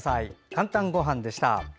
「かんたんごはん」でした。